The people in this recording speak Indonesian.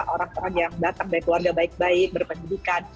orang orang yang datang dari keluarga baik baik berpendidikan